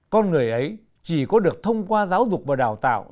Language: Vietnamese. con người ấy chỉ có được thông qua giáo dục và đào tạo